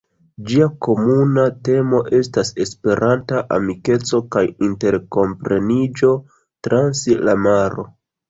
Ĝia komuna temo estas "Esperanta amikeco kaj interkompreniĝo trans la maro".